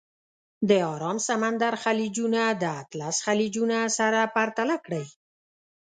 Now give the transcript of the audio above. د ارام سمندر خلیجونه د اطلس خلیجونه سره پرتله کړئ.